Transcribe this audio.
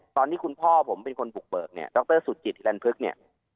ตอนที่คุณพ่อผมเป็นคนบุกเบิกเนี่ยดรสุจิตรันพึกเนี่ย